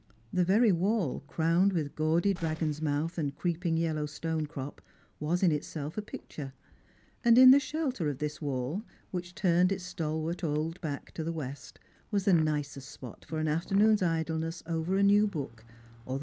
The very wall, crowned with gaudj dragon's mouth, and creeping yellow stone crop, was in itself a picture; and in the shelter of this wall, which turned its stalwart old back to the west, was the nicest spot for an afternoon's idleness over a new book, or the.